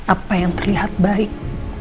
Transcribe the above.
apa yang terlihat baik